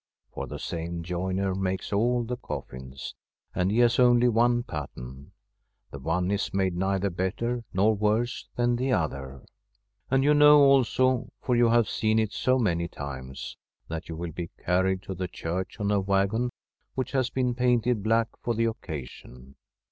For the same joiner makes all the coffins, and he has only one pattern; the one is made neither better nor worse than the other. And you know also, for vou have seen it so many times, that you will be carried to the church on a [341 1 From M SfFEDlSH HOMESTEAD waggon which has been painted black for the occasion.